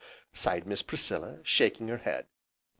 sighed Miss Priscilla, shaking her head.